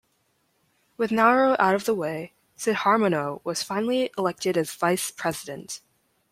With Naro out of the way, Sudharmono was finally elected as Vice President.